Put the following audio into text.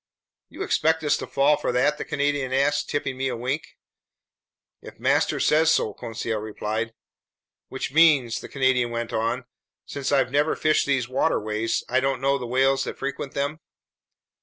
"You expect us to fall for that?" the Canadian asked, tipping me a wink. "If master says so," Conseil replied. "Which means," the Canadian went on, "since I've never fished these waterways, I don't know the whales that frequent them?"